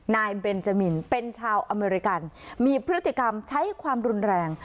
นายเบนจามินเป็นชาวอเมริกันมีพฤติกรรมใช้ความรุนแรง